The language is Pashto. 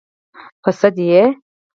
_ په سد يې؟